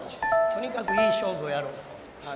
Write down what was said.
とにかくいい勝負をやろうと。